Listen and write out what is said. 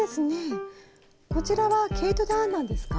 こちらは毛糸で編んだんですか？